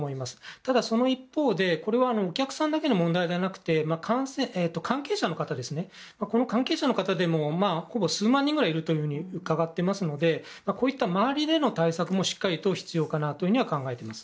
ただその一方で、これはお客さんだけの問題ではなくて関係者の方もほぼ数万人ぐらいいると伺っていますので周りでの対策もしっかりと必要かなと感がております。